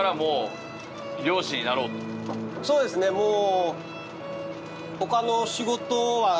そうですねもう。